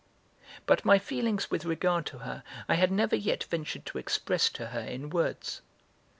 But my feelings with regard to her I had never yet ventured to express to her in words.